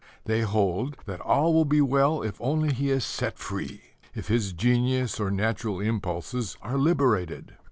They hold that all will be well if only he is set free if his genius or natural impulses are liberated.